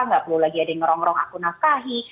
enggak perlu lagi ada yang ngerong ngerong aku nafkahi